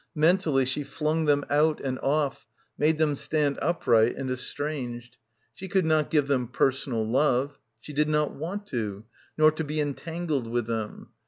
Mentally she flung them out and off, made them stand upright and es tranged. She could not give them personal love. She did not want to; nor to be entangled with them.